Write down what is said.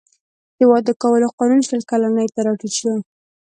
د واده کولو قانون شل کلنۍ ته راټیټ شو.